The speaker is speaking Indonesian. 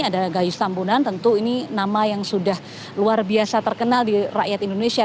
ada gayus tambunan tentu ini nama yang sudah luar biasa terkenal di rakyat indonesia